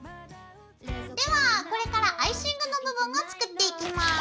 ではこれからアイシングの部分を作っていきます。